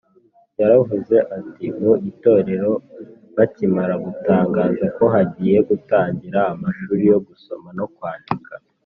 yaravuze ati mu itorero bakimara gutangaza ko hagiye gutangira amashuri yo gusoma no kwandika